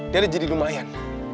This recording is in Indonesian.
dia udah jadi lumayan